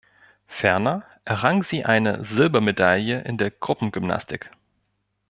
Ferner errang sie eine Silbermedaille in der Gruppen-Gymnastik.